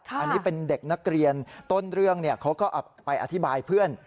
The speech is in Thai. อันนี้เป็นเด็กนักเรียนต้นเรื่องเขาก็ไปอธิบายเพื่อน